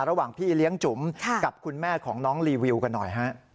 ระหว่างพี่เลี้ยงจุ๋มกับคุณแม่ของน้องรีวิวกันหน่อยฮะ